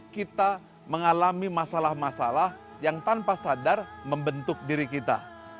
kita mengalami masalah masalah yang tanpa sadar membentuk diri kita